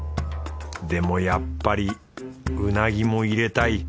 でもやっぱりうなぎも入れたい。